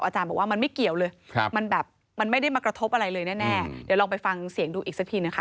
อาจารย์บอกว่ามันไม่เกี่ยวเลยมันแบบมันไม่ได้มากระทบอะไรเลยแน่เดี๋ยวลองไปฟังเสียงดูอีกสักทีนะคะ